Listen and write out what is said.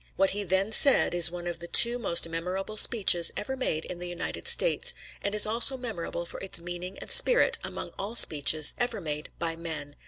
What he then said is one of the two most memorable speeches ever made in the United States, and is also memorable for its meaning and spirit among all speeches ever made by men.